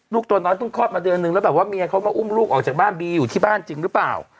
ตัวน้อยเพิ่งคลอดมาเดือนนึงแล้วแบบว่าเมียเขามาอุ้มลูกออกจากบ้านบีอยู่ที่บ้านจริงหรือเปล่า